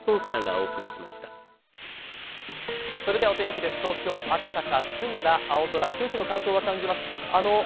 お天気です、東京・赤坂、澄んだ青空、空気の乾燥を感じます。